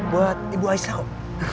buat ibu aisyah kok